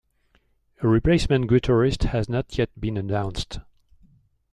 A replacement guitarist has not yet been announced.